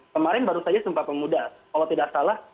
kemarin baru saja sumpah pemuda kalau tidak salah